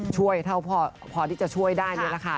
เท่าพอที่จะช่วยได้นี่แหละค่ะ